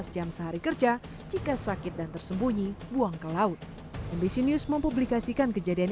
delapan belas jam sehari kerja jika sakit dan tersembunyi buang ke laut mbc news mempublikasikan kejadian